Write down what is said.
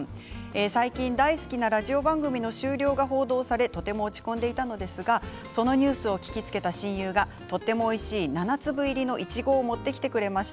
最近、大好きなラジオ番組の終了が報道され落ち込んでいたんですがそのニュースを聞きつけた親友がとてもおいしい７粒入りのいちごを持ってきてくれました。